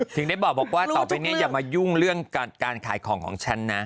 ถึงได้บอกว่าต่อไปเนี่ยอย่ามายุ่งเรื่องการขายของของฉันนะ